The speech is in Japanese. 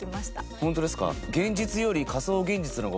ホントですか？